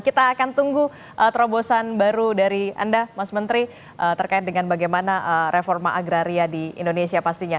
kita akan tunggu terobosan baru dari anda mas menteri terkait dengan bagaimana reforma agraria di indonesia pastinya